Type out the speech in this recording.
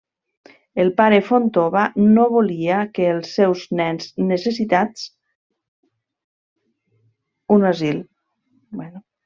El Pare Fontova no volia que els seus nens necessitats, un asil.